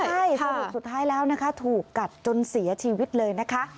ใช่สรุปสุดท้ายแล้วนะคะถูกกัดจนเสียชีวิตเลยนะคะ